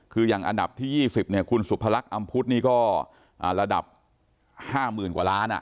คืออย่างอันดับที่๒๐เนี่ยคุณสุพรรคอำพุธนี่ก็ระดับ๕๐๐๐กว่าล้าน